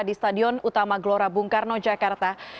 di stadion utama gelora bung karno jakarta